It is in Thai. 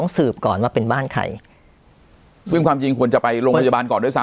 สืบก่อนว่าเป็นบ้านใครซึ่งความจริงควรจะไปโรงพยาบาลก่อนด้วยซ้